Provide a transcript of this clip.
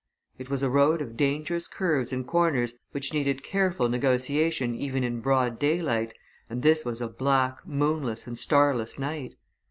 It was a road of dangerous curves and corners which needed careful negotiation even in broad daylight, and this was a black, moonless and starless night.